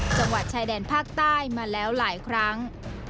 จังหวัดชายแดนภาคใต้มาแล้วหลายครั้ง